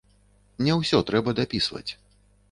Не ўсё трэба дапісваць.